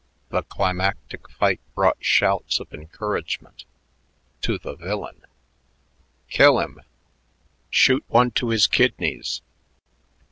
The climactic fight brought shouts of encouragement to the villain. "Kill him!"... "Shoot one to his kidneys!"...